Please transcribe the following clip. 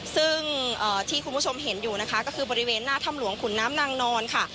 ซึ่งที่คุณผู้ชมเห็นอยู่นะคะก็คือบริเวณหน้าถ้ำหลวงขุนน้ำนางนอนค่ะ